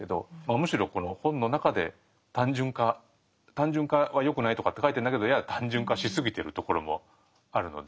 むしろこの本の中で単純化単純化はよくないとかって書いてるんだけどやや単純化しすぎてるところもあるので。